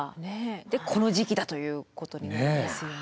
でこの時期だということになりますよね。